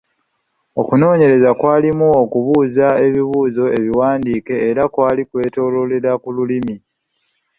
Okunoonyereza kwalimu okubuuza ebibuuzo ebiwandiike era kwali kwetooloolera ku lulimi.